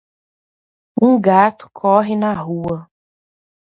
Um gato corre na rua.